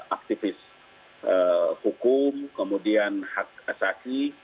aktivis hukum kemudian hak asasi